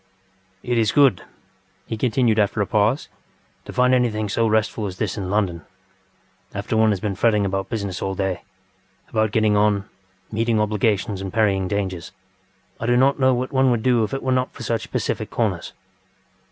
ŌĆØ ŌĆ£It is good, ŌĆØ he continued after a pause, ŌĆ£to find anything so restful as this in London. After one has been fretting about business all day, about getting on, meeting obligations, and parrying dangers, I do not know what one would do if it were not for such pacific corners.